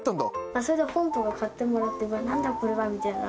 それで本を買ってもらって、なんだこれは？みたいな。